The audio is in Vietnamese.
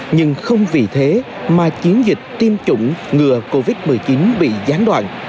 nhưng không vì thế mà chiến dịch tiêm chủng ngừa covid một mươi chín bị gián đoạn